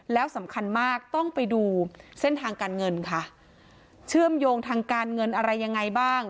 แล้วสำคัญมากต้องไปดูเส้นทางการเงินค่ะเชื่อมโยงทางการเงินอะไรยังไงบ้าง